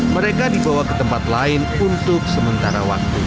mereka dibawa ke tempat lain untuk sementara waktu